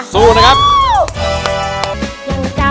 สู้ค่ะ